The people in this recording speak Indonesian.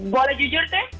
boleh jujur teh